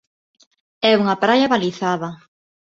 É unha praia balizada.